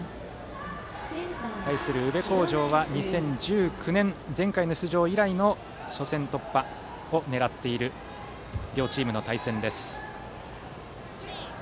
対する宇部鴻城は２０１９年前回の出場以来の初戦突破を狙っているという両チームの対戦です。